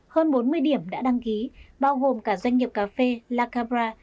hơn bốn mươi điểm đã đăng ký bao gồm cả doanh nghiệp cà phê la cabra